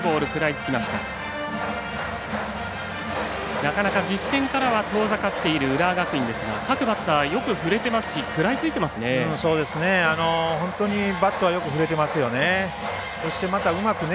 なかなか実戦からは遠ざかっている浦和学院ですが各バッター、よく振れていますし食らいついていますね。